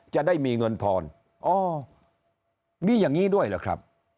จะได้มีเงินทอนอ๋อมีอย่างนี้ด้วยเหรอครับ